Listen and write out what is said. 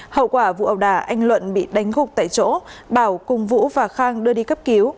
hậu quả vụ ẩu đà anh luận bị đánh gục tại chỗ bảo cùng vũ và khang đưa đi cấp cứu